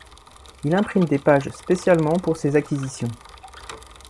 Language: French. Il imprime des pages spécialement pour ces acquisitions.